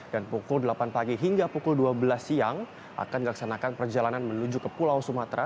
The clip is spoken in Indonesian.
dan pukul delapan pagi hingga pukul dua belas siang akan dilaksanakan perjalanan menuju ke pulau sumatera